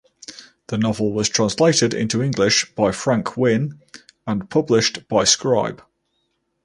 The novel was translated into English by Frank Wynne and published by Scribe.